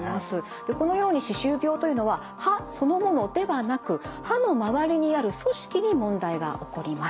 でこのように歯周病というのは歯そのものではなく歯の周りにある組織に問題が起こります。